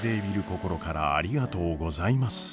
心からありがとうございます。